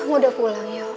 kamu udah pulang ya